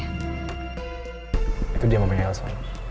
itu dia mamanya elsa